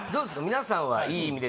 皆さんは「いい意味で」